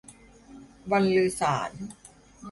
บันลือสาส์น